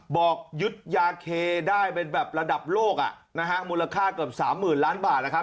บอกยึดยาเคได้เป็นแบบระดับโลกอ่ะนะฮะมูลค่าเกือบสามหมื่นล้านบาทนะครับ